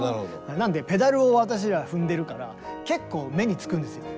なんでペダルを私ら踏んでるから結構目につくんですよね。